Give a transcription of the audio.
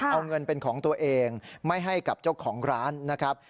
เอาเงินเป็นของตัวเองไม่ให้กับเจ้าของร้านนะครับ